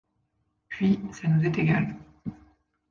Puis, ça nous est égal.